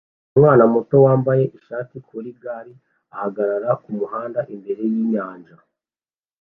umwana muto wambaye t-shirt kuri gare ahagarara kumuhanda imbere yinyanja